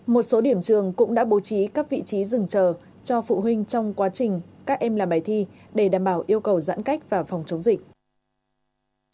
một số điểm trường cũng đã bố trí các vị trí rừng chờ cho phụ huynh trong quá trình các em làm bài thi để đảm bảo yêu cầu giãn cách và phòng chống dịch